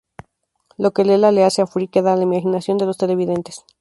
Lo que Leela le hace a Fry queda a la imaginación de los televidentes.